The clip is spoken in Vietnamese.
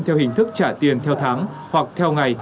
theo hình thức trả tiền theo tháng hoặc theo ngày